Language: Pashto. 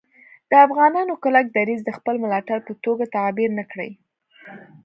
د افغانانو کلک دریځ د خپل ملاتړ په توګه تعبیر نه کړي